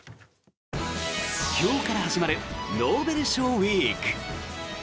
今日から始まるノーベル賞ウィーク。